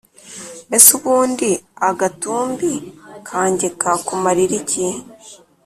mbese ubundi agatumbi kanjye kakumarira iki ?